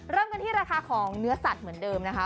เริ่มกันที่ราคาของเนื้อสัตว์เหมือนเดิมนะคะ